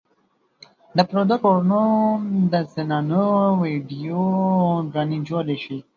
د پردو کورونو د زنانو ويډيو ګانې جوړې شي